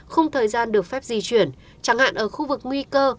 không thời gian được phép di chuyển chẳng hạn ở khu vực nguy cơ